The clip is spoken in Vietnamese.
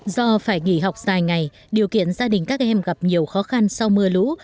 do phải nghỉ học dài ngày điều kiện gia đình các em gặp nhiều khó khăn sau mưa lũ